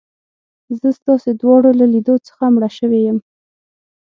زه ستاسي دواړو له لیدو څخه مړه شوې یم.